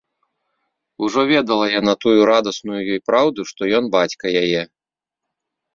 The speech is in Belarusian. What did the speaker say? Ужо ведала яна тую радасную ёй праўду, што ён бацька яе.